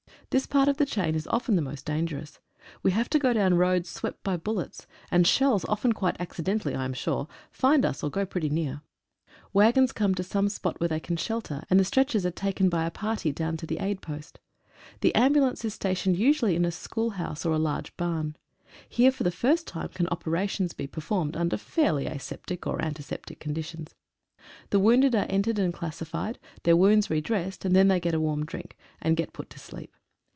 This part of the chain is often the most dangerous. We have to go down roads swept by bullets, and shells often quite accident ally I am sure, find us or go pretty near. Waggons come to some spot where they can shelter, and the stretchers are taken by a party down to the aid post. The ambu lance is stationed usually in a school house or a large barn. Here for the first time can operations be per formed under fairly aseptic or antiseptic conditions. The wounded are entered and classified, their wounds re dressed, and then they get a warm drink, and get put to sleep.